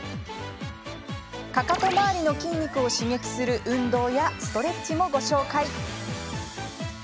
かかと周りの筋肉を刺激する運動やストレッチもご紹介。